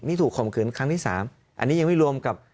นี่ถูกข่มขืนครั้งที่๓อันนี้ยังไม่รวมกับ